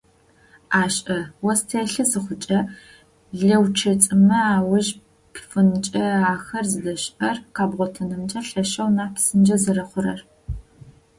Ашӏэ, ос телъы зыхъукӏэ лэучэцӏымэ ауж пфынкӏэ, ахэр зыдэщыӏэр къэбгъотынымкӏэ лъэшэу нахь псынкӏэ зэрэхъурэр.